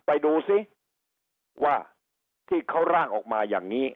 ไปดูซิว่าที่เขาร่างออกมาอย่างนี้